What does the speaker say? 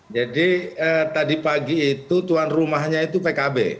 jadi tadi pagi itu tuan rumahnya itu pkb